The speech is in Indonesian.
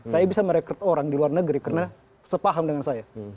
saya bisa merekrut orang di luar negeri karena sepaham dengan saya